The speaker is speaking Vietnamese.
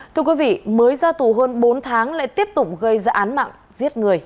thưa quý vị mới ra tù hơn bốn tháng lại tiếp tục gây ra án mạng giết người